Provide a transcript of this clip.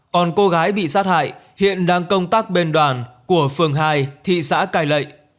còn cô gái bị sát hại hiện đang công tác bên đoàn của phường hai thị xã cai lệ